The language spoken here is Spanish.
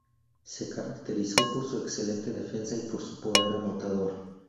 Se caracterizó por su excelente defensa y por su poder anotador.